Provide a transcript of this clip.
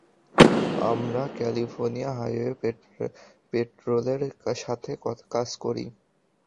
আমরা California highway পেট্রোলের সাথে কাজ করি।